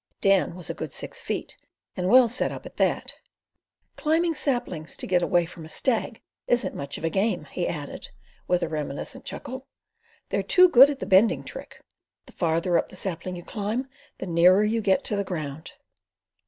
(Dan was a good six feet, and well set up at that.) "Climbing saplings to get away from a stag isn't much of a game," he added, with a reminiscent chuckle; "they're too good at the bending trick. The farther up the sapling you climb, the nearer you get to the ground."